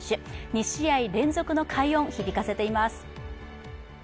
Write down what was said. ２試合連続の快音響かせています。